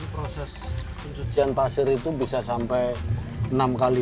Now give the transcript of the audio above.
proses pencucian pasir itu bisa sampai enam kali